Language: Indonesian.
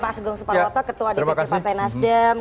mas geng sepalwata ketua dpp partai nasdem